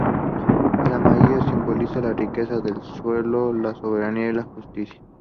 El amarillo simboliza la riqueza del suelo, la soberanía y la justicia.